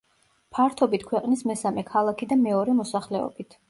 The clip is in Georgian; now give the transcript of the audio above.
ფართობით ქვეყნის მესამე ქალაქი და მეორე მოსახლეობით.